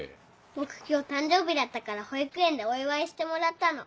僕今日誕生日だったから保育園でお祝いしてもらったの。